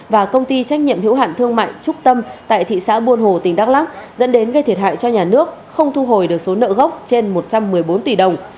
và công ty trách nhiệm hữu hạn thương mại trúc tâm tại thị xã buôn hồ tỉnh đắk lắc dẫn đến gây thiệt hại cho nhà nước không thu hồi được số nợ gốc trên một trăm một mươi bốn tỷ đồng